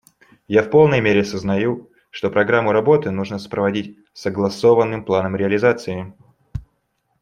Я в полной мере сознаю, что программу работы нужно сопроводить согласованным планом реализации.